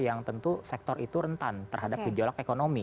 yang tentu sektor itu rentan terhadap gejolak ekonomi